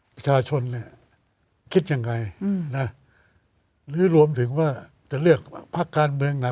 ประชาชนเนี่ยคิดยังไงนะหรือรวมถึงว่าจะเลือกพักการเมืองไหน